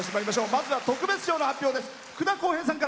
まずは特別賞の発表です。